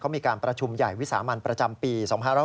มีการประชุมใหญ่วิสามันประจำปี๒๕๖๒